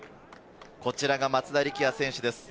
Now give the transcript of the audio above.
こちらが松田力也選手です。